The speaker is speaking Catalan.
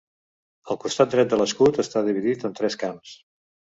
El costat dret de l'escut està dividit en tres camps.